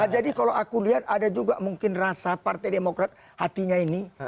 jadi kalau aku lihat ada juga mungkin rasa partai demokrat hatinya ini